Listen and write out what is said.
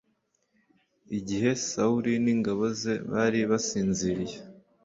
Igihe Sawuli n ingabo ze bari basinziriye